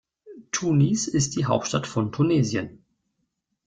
Tunis ist die Hauptstadt von Tunesien.